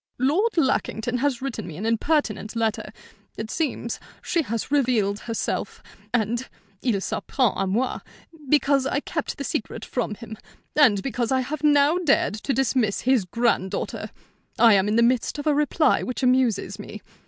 "Lord Lackington has written me an impertinent letter. It seems she has revealed herself, and il s'en prend à moi, because I kept the secret from him, and because I have now dared to dismiss his granddaughter. I am in the midst of a reply which amuses me.